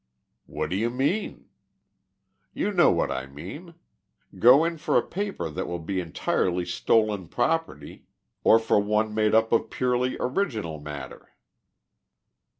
"What do you mean?" "You know what I mean. Go in for a paper that will be entirely stolen property, or for one made up of purely original matter."